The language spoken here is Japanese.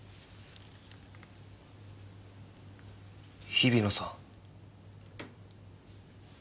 日比野さん。